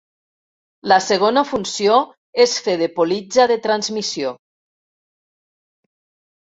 La segona funció és fer de politja de transmissió.